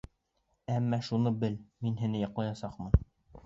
Әммә шуны бел: мин һине яҡлаясаҡмын.